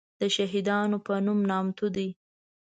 دشهیدانو په نوم نامتو دی.